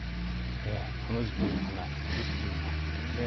この時期の花ルピナスですね。